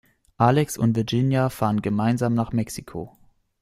Alex und Virginia fahren gemeinsam nach Mexiko.